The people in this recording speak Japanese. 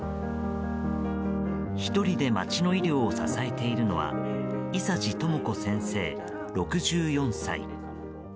１人で町の医療を支えているのは伊佐治友子先生、６４歳。